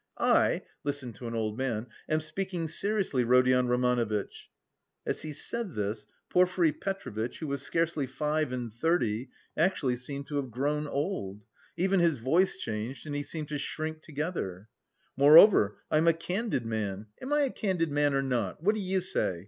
I listen to an old man am speaking seriously, Rodion Romanovitch" (as he said this Porfiry Petrovitch, who was scarcely five and thirty, actually seemed to have grown old; even his voice changed and he seemed to shrink together) "Moreover, I'm a candid man... am I a candid man or not? What do you say?